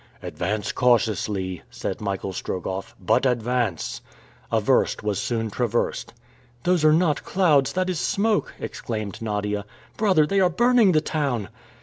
"Advance cautiously," said Michael Strogoff, "but advance!" A verst was soon traversed. "Those are not clouds, that is smoke!" exclaimed Nadia. "Brother, they are burning the town!"